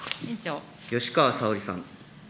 吉川沙織さん。